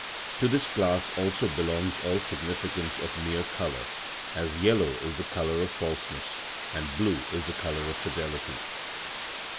To this class also belongs all significance of mere colour, as yellow is the colour of falseness, and blue is the colour of fidelity.